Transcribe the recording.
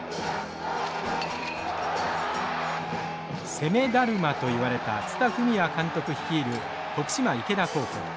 攻めだるまといわれた蔦文也監督率いる徳島池田高校。